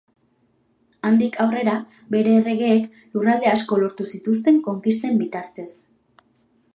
Handik aurrera, bere erregeek lurralde asko lortu zituzten konkisten bitartez.